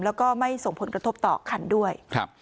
แล้วก็ไม่ส่งผลกระทบต่อคันด้วยครับ